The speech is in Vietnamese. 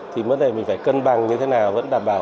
thì vấn đề mình phải cân bằng như thế nào vẫn đảm bảo